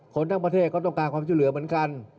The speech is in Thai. ทั้งประเทศก็ต้องการความช่วยเหลือเหมือนกัน